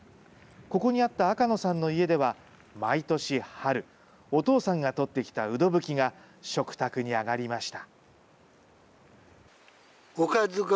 ここにあった赤野さんの家では、毎年春、お父さんが採ってきたウドブキが、食卓に上がりました。